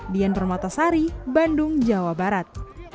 dian permatasari bandung jawa barat